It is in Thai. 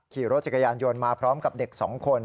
ขี่รถจักรยานยนต์มาพร้อมกับเด็ก๒คน